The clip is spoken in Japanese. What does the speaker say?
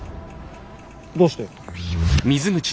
どうして？